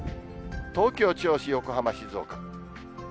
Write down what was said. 東京、銚子、横浜、静岡。